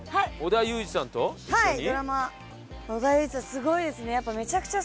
すごいですね。